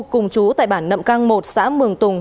cùng chú tại bản nậm cang một xã mường tùng